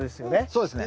そうですね。